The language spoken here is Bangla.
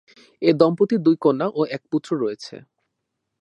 এ দম্পতির দুই কন্যা ও এক পুত্র রয়েছে।